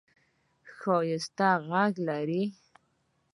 ښایسته ږغ لرې !